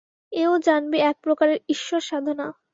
এও জানবি এক প্রকারের ঈশ্বর-সাধনা।